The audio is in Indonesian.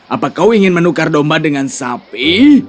apa kau ingin menukar domba dengan sapi